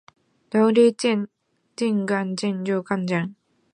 独立健康自由完整